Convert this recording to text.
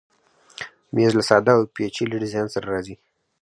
مېز له ساده او پیچلي ډیزاین سره راځي.